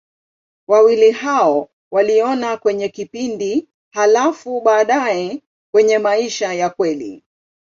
Wawili hao waliona kwenye kipindi, halafu baadaye kwenye maisha ya kweli.